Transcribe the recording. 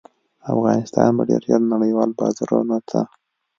افغانستان به ډیر ژر نړیوالو بازارونو ته